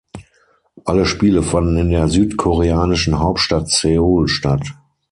Alle Spiele fanden in der südkoreanischen Hauptstadt Seoul statt.